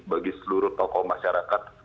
bagi seluruh tokoh masyarakat